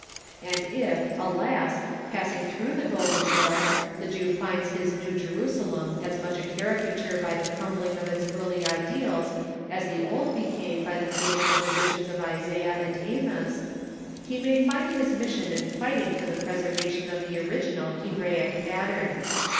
_ And if, alas! passing through the golden door, the Jew finds his New Jerusalem as much a caricature by the crumbling of its early ideals as the old became by the fading of the visions of Isaiah and Amos, he may find his mission in fighting for the preservation of the original Hebraic pattern.